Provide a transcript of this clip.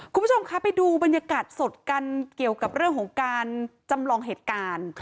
คุณผู้ชมคะไปดูบรรยากาศสดกันเกี่ยวกับเรื่องของการจำลองเหตุการณ์